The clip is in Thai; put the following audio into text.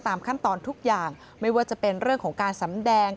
ขั้นตอนทุกอย่างไม่ว่าจะเป็นเรื่องของการสำแดง